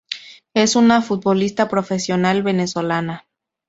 Es una futbolista Profesional venezolana.